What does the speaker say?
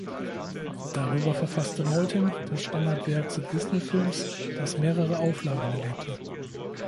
Darüber verfasste Maltin das Standardwerk "The Disney Films", das mehrere Auflagen erlebte.